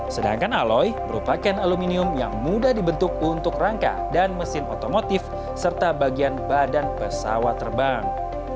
sedangkan aloy merupakan aluminium yang mudah dibentuk untuk rangka dan mesin otomotif serta bagian badan pesawat terbang